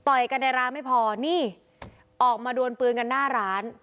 กันในร้านไม่พอนี่ออกมาดวนปืนกันหน้าร้าน